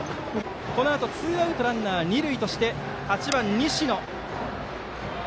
このあとツーアウトランナー、二塁として８番、西野。